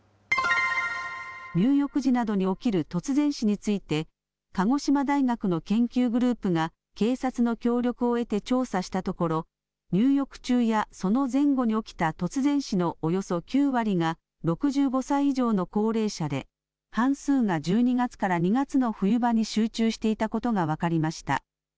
入浴時などに起きる突然死について、鹿児島大学の研究グループが警察の協力を得て調査したところ、入浴中やその前後に起きた突然死のおよそ９割が、６５歳以上の高齢者で、半数が１２月から２月の冬場に集中していたことが分かりました。